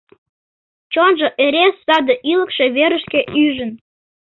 Чонжо эре саде ӱлыкшӧ верышке ӱжын.